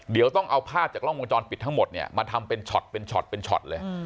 เดี๋ยวต้องเอาภาพจากกล้องวงจรปิดทั้งหมดเนี่ยมาทำเป็นช็อตเป็นช็อตเป็นช็อตเลย